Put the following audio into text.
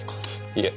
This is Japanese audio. いえ